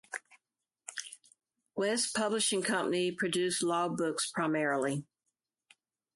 West Publishing Company produced law books, primarily.